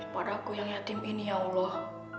padaku yang yatim ini ya allah